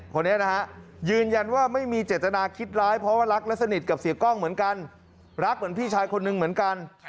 คนนี้นะฮะยืนยันว่าไม่มีเจตนาคิดร้ายเพราะว่ารักและสนิทกับเสียกล้องเหมือนกันรักเหมือนพี่ชายคนนึงเหมือนกัน